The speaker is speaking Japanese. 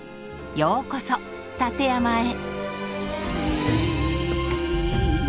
ようこそ立山へ！